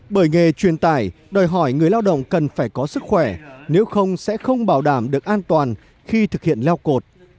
bởi nghề truyền tải đòi hỏi người lao động cần phải có sức khỏe nếu không sẽ không bảo đảm được an toàn khi thực hiện leo cột